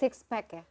six pack ya